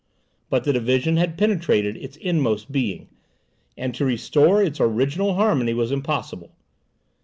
But the division had penetrated its inmost being, and to restore its original harmony was impossible.